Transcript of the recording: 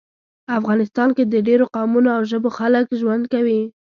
افغانستان کې د ډیرو قومونو او ژبو خلک ژوند کوي